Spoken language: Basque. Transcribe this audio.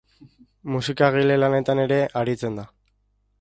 Musikagile lanetan ere aritzen da.